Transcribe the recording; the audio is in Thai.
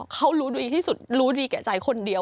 เขารู้ดีที่สุดรู้ดีแก่ใจคนเดียว